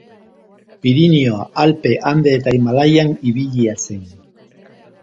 Pirinio, Alpe, Ande eta Himalaian ibilia zen.